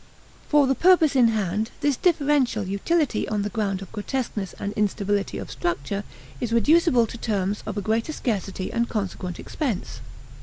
For the purpose in hand, this differential utility on the ground of grotesqueness and instability of structure is reducible to terms of a greater scarcity and consequent expense.